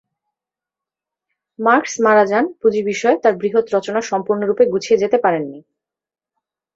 Marks মারা যান, পুঁজি বিষয়ে তার বৃহৎ রচনা সম্পূর্ণরূপে গুছিয়ে যেতে পারেননি।